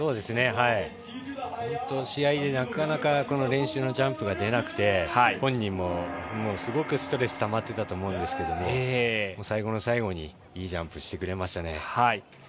試合でなかなか練習のジャンプが出なくて本人もすごくストレスたまってたと思うんですけれども最後の最後にいいジャンプしてくれました。